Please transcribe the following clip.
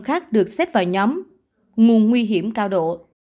khác được xếp vào nhóm nguồn nguy hiểm cao độ